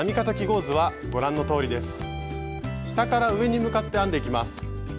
下から上に向かって編んでいきます。